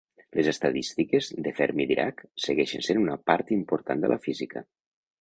Les estadístiques de Fermi-Dirac segueixen sent una part important de la física.